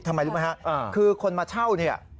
ทำไมรู้ไหมฮะคือคนมาเช่าเนี่ย